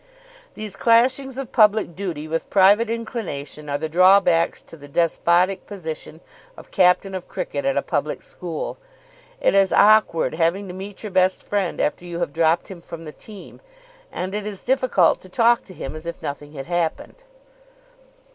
These clashings of public duty with private inclination are the drawbacks to the despotic position of captain of cricket at a public school. It is awkward having to meet your best friend after you have dropped him from the team, and it is difficult to talk to him as if nothing had happened.